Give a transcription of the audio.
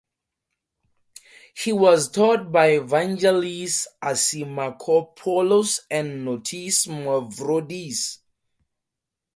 He was taught by Vangelis Assimakopoulos and Notis Mavroudis.